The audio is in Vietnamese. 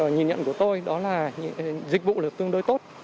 nhìn nhận của tôi đó là dịch vụ là tương đối tốt